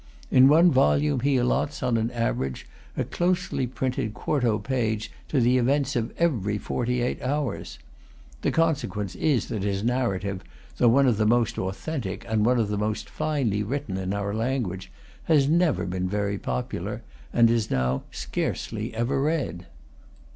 In one volume he allots, on an average, a closely printed quarto page to the events of every forty eight hours. The consequence is, that his narrative, though one of the most authentic and one of the most finely written in our language, has never been very popular, and is now scarcely ever read.